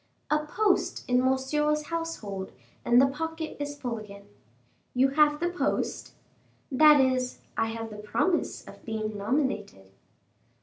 "A post in Monsieur's household, and the pocket is full again." "You have the post?" "That is, I have the promise of being nominated."